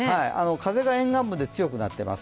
風が沿岸部で強くなっています。